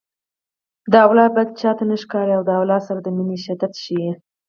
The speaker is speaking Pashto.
د اولاد بد چاته نه ښکاري د اولاد سره د مینې شدت ښيي